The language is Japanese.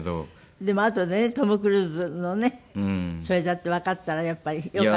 でもあとでねトム・クルーズのねそれだってわかったらやっぱりよかった。